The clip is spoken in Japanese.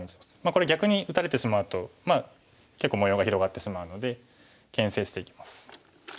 これ逆に打たれてしまうと結構模様が広がってしまうのでけん制していきます。